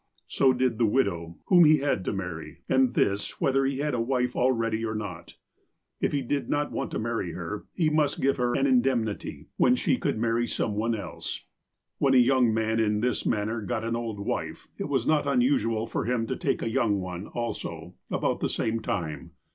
So did the widow, whom he had to marry, and this whether he had a wife already or not. If he did not want to marry her, he must give her an indemnity, PECULIAR CUSTOMS T5 when she could marry some one else. When a young man, in this manner, got an old wife, it was not unusual for him to take a young one, also, about the same time.